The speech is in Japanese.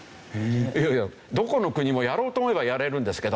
いやいやどこの国もやろうと思えばやれるんですけど